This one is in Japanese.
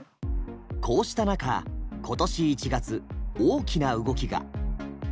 こうした中今年１月大きな動きが。